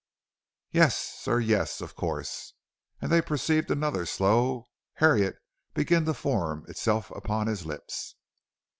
"Yes, sir, yes, of course"; and they perceived another slow Harriet begin to form itself upon his lips.